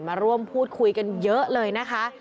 มาร่วมพูดคุยกันเยอะเลยนะคะ